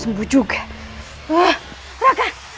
dan perusaha kesabaran kau